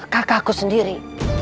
kakak aku sendiri